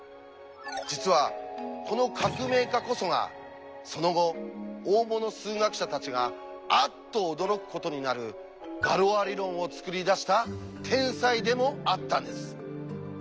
実はこの革命家こそがその後大物数学者たちがあっと驚くことになる「ガロア理論」を作り出した天才でもあったんです。